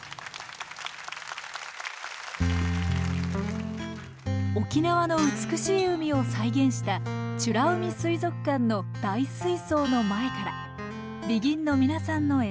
ですから沖縄の美しい海を再現した美ら海水族館の大水槽の前からＢＥＧＩＮの皆さんの演奏です。